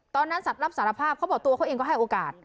ตอนนั้นสัตว์รับสารภาพเขาบอกตัวเขาเองก็ให้โอกาส